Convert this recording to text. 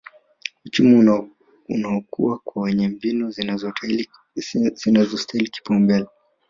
uchumi unaokua na wenye mbinu zinazostahili kupaumbele